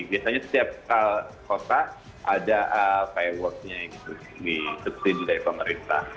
biasanya setiap kota ada fireworksnya yang disubsidi dari pemerintah